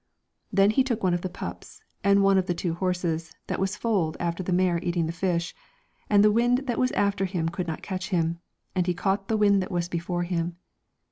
Then he took one of the pups, and one of the two horses, that was foaled after the mare eating the fish, and the wind that was after him could not catch him, and he caught the wind that was before him.